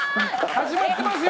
始まってますよ。